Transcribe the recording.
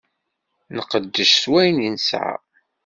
Nqeddec s wayen i nesɛa.